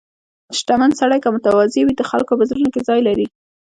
• شتمن سړی که متواضع وي، د خلکو په زړونو کې ځای لري.